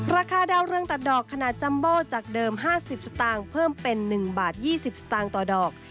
ราคาดาวเรืองตัดดอกขนาดจัมโบจากเดิม๕๐สตางค์เพิ่มเป็น๑บาท๒๐สตางค์ต่อดอก